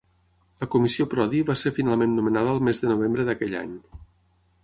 La Comissió Prodi va ser finalment nomenada el mes de novembre d'aquell any.